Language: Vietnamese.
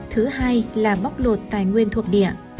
thứ hai là bóc lột tài nguyên thuộc địa